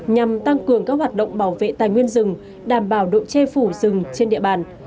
nhằm tăng cường các hoạt động bảo vệ tài nguyên rừng đảm bảo độ che phủ rừng trên địa bàn